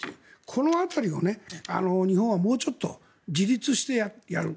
この辺りを日本はもうちょっと自立してやる。